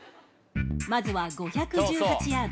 まずは５１８ヤード。